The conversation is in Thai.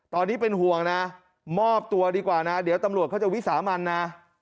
ตอนนี้เป็นห่วงนะมอบตัวดีกว่านะเดี๋ยวตำรวจเขาจะวิสามันนะ